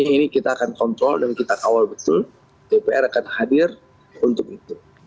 ini kita akan kontrol dan kita kawal betul dpr akan hadir untuk itu